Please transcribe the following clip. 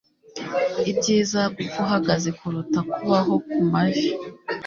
Ibyiza gupfa uhagaze kuruta kubaho kumavi.